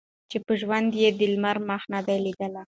چي په ژوند یې د لمر مخ نه دی لیدلی